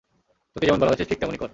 তোকে যেমন বলা হয়েছে ঠিক তেমনই কর।